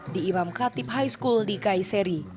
di imam katib high school di kaiseri